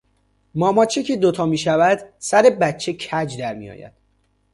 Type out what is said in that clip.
ماماچه که دو تا میشود سر بچه کج درمیاید